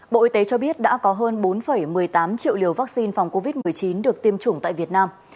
bộ y tế cho biết đã có hơn bốn một mươi tám triệu liều vaccine phòng covid một mươi chín được tiêm chủng tại việt nam